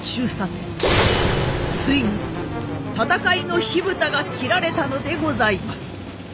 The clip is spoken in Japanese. ついに戦いの火蓋が切られたのでございます。